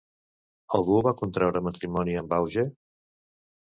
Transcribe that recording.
Algú va contreure matrimoni amb Auge?